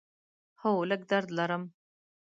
هو، لږ درد لرم